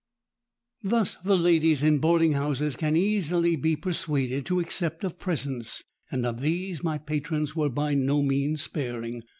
Thus the ladies in boarding houses can easily be persuaded to accept of presents; and of these my patrons were by no means sparing.